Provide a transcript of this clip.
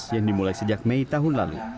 yang dimulai sejak mei tahun lalu